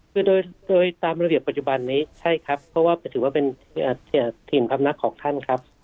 คือโดยโดยตามระเบียบปัจจุบันนี้ใช่ครับเพราะว่าถือว่าเป็นอาทิตย์ที่อาทิตย์ธรรมนักของท่านครับ